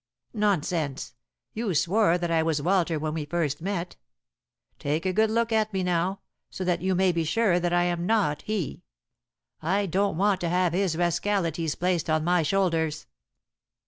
"Nonsense. You swore that I was Walter when we first met. Take a good look at me now, so that you may be sure that I am not he. I don't want to have his rascalities placed on my shoulders."